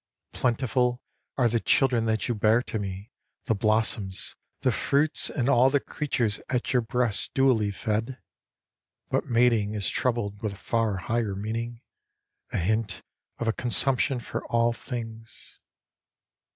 Plentiful are the children that you bear to me, the blossoms, The fruits and all the creatures at your breast dewily fed, But mating is troubled with a far higher meaning A hint of a consummation for all things.